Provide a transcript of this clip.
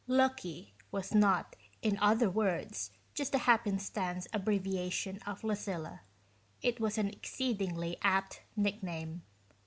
"Lucky" was not, in other words, just a happenstance abbreviation of "Lucilla" it was an exceedingly apt nickname.